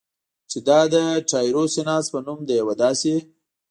چې دا د ټایروسیناز په نوم د یوه داسې